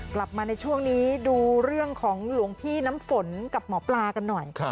กลับมาในช่วงนี้ดูเรื่องของหลวงพี่น้ำฝนกับหมอปลากันหน่อย